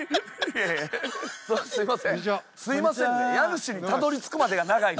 すいませんね。